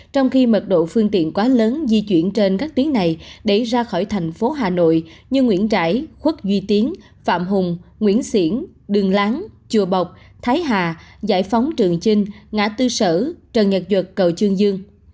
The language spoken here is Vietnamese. trong khi mật độ phương tiện quá lớn di chuyển trên các tuyến này để ra khỏi thành phố hà nội như nguyễn rãi khuất duy tiến phạm hùng nguyễn xiển đường láng chùa bọc thái hà giải phóng trường chinh ngã tư sở trần nhật duật cầu trương dương